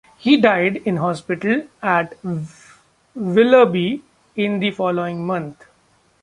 He died in hospital at Willerby in the following month.